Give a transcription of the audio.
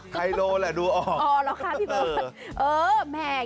ไฮโลแหละดูออก